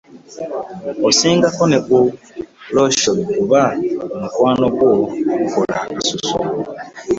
Osingako ne ku lotion kuba omukwano gwo gukola akasusu.